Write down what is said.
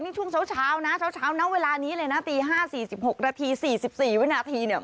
นี่ช่วงเช้านะเช้านะเวลานี้เลยนะตี๕๔๖นาที๔๔วินาทีเนี่ย